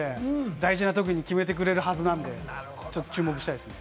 大事なときに決めてくれるはずなんで、ちょっと注目したいですね。